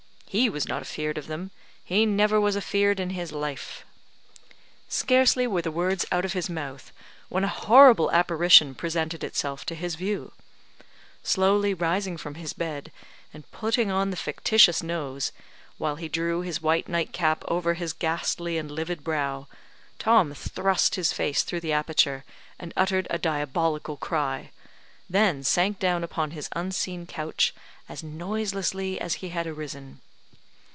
He was not afear'd of them, he never was afear'd in his life. Scarcely were the words out of his mouth, when a horrible apparition presented itself to his view. Slowly rising from his bed, and putting on the fictitious nose, while he drew his white nightcap over his ghastly and livid brow, Tom thrust his face through the aperture, and uttered a diabolical cry; then sank down upon his unseen couch as noiselessly as he had arisen.